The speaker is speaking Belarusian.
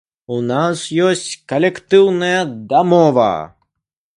У нас ёсць калектыўная дамова.